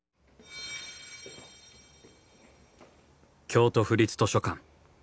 京都府立図書館。